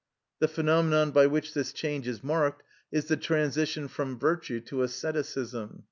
The phenomenon by which this change is marked, is the transition from virtue to asceticism.